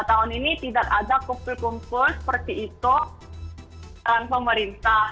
tahun ini tidak ada kumpul kumpul seperti itu peran pemerintah